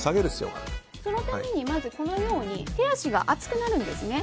そのために、まずこのように手足が熱くなるんですね。